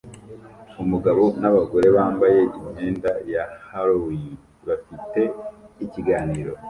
umugabo nabagore bambaye imyenda ya Halloween bafite ikiganiro